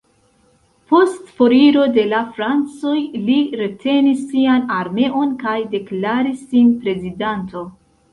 Post foriro de la francoj li retenis sian armeon kaj deklaris sin prezidanto.